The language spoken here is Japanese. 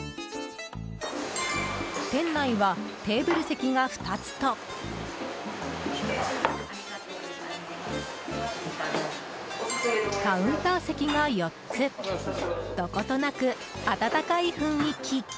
店内はテーブル席が２つとカウンター席が４つどことなく温かい雰囲気。